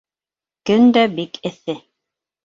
Көн дә бик эҫе.